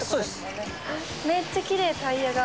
めっちゃきれいタイヤが。